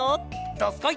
どすこい！